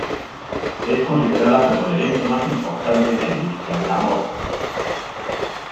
Es considerada como el evento más importante en la industria de la moda.